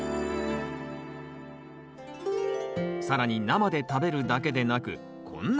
更に生で食べるだけでなくこんな調理法も。